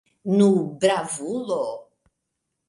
Nu, bravulo!